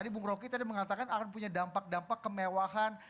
bung roky tadi mengatakan akan punya dampak dampak kemewahan